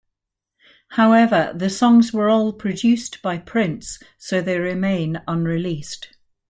However, the songs were all produced by Prince, so they remained unreleased.